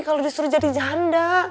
kalo disuruh jadi janda